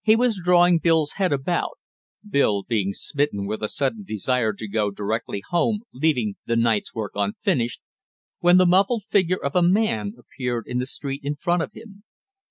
He was drawing Bill's head about Bill being smitten with a sudden desire to go directly home leaving the night's work unfinished when the muffled figure of a man appeared in the street in front of him.